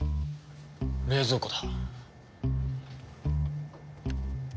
冷蔵庫だ。